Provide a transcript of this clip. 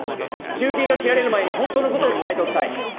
中継が切られる前に本当のことを伝えておきたい。